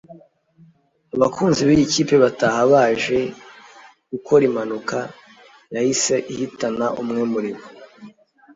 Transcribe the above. abakunzi b’iyi kipe bataha baje gukora impanuka yahise ihitana umwe muri bo